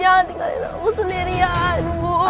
jangan tinggalin aku sendirian bu